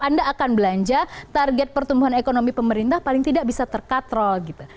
anda akan belanja target pertumbuhan ekonomi pemerintah paling tidak bisa terkatrol gitu